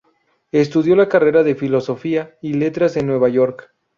Estudió la carrera de Filosofía y Letras en Nueva York.